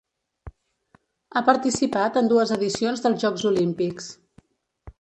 Ha participat en dues edicions dels Jocs Olímpics.